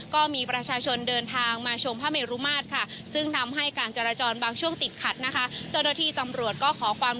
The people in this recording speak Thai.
ก็มีประชาชนเดินทางมาชมพระเมรุมาตรค่ะซึ่งทำให้การจราจรบางช่วงติดขัดนะคะ